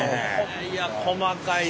いや細かいね。